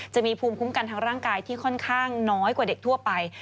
จะมีภูมิคุ้มกันทางร่างกายที่ค่อนข้างน้อยกว่าเด็กทั่วไป